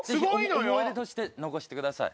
思い出として残してください。